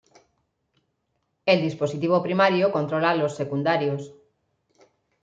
El dispositivo primario controla a los secundarios.